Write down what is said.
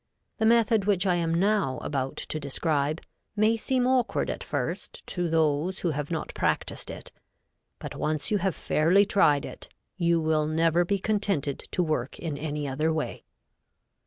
The method which I am now about to describe may seem awkward at first to those who have not practiced it, but once you have fairly tried it, you will never be contented to work in any other way.